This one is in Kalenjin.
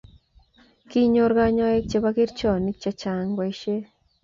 kinyoru kanyoik che chepkerichonik che chang' boisie